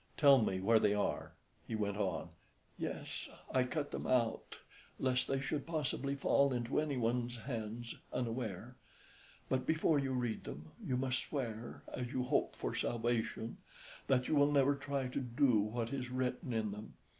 Tell me where they are," He went on "Yes, I cut them out lest they should possibly fall into anyone's hands unaware. But before you read them you must swear, as you hope for salvation, that you will never try to do what is written in them.